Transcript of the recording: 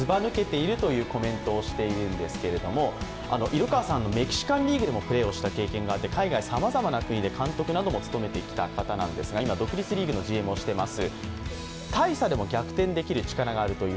色川さん、メキシカンリーグでもプレーしたことがあって海外さまざまな国で監督なども務めてきた方なんですが今、独立リーグでＧＭをしています。